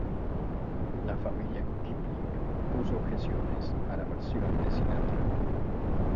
La familia Kipling puso objeciones a la versión de Sinatra.